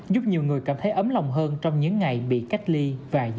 giúp nhiều người cảm thấy ấm lòng hơn trong những ngày bị cách ly và giãn cắt xã hội